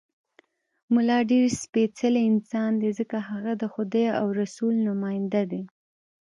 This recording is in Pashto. ملا ډېر سپېڅلی انسان دی، ځکه هغه د خدای او رسول نماینده دی.